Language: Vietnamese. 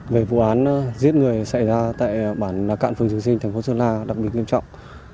về vụ án giết người xảy ra tại bản cạn phường trường sinh thành phố sơn la đặc biệt nghiêm trọng